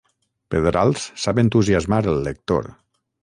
Pedrals sap entusiasmar el lector.